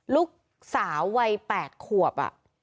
ลูกสาววัย๘ขวบ